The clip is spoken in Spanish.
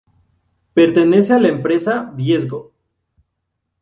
Pertenece a la empresa Viesgo.